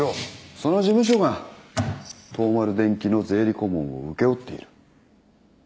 その事務所が東丸電機の税理顧問を請け負っている。